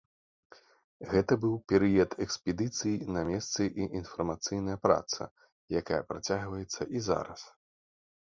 Гэта быў перыяд экспедыцый на месцы і інфармацыйная праца, якая працягваецца і зараз.